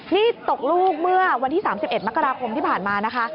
นี่ตกลูกเมื่อวันที่๓๑มกราคมที่ผ่านมานะคะ